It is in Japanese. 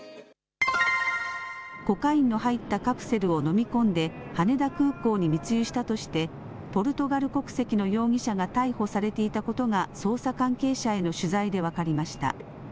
コカインの入ったカプセルを飲み込んで、羽田空港に密輸したとして、ポルトガル国籍の容疑者が逮捕されていたことが、捜査関係者への取材で分かりました。